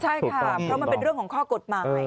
ใช่ค่ะเพราะมันเป็นเรื่องของข้อกฎหมาย